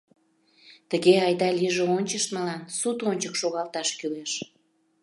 Тыге айда лийже ончыштмылан суд ончык шогалташ кӱлеш.